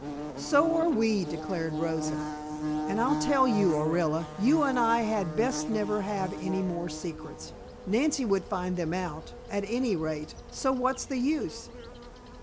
"So are we," declared Rosa. "And I'll tell you, Orilla. You and I had best never have any more secrets. Nancy would find them out, at any rate, so what's the use?"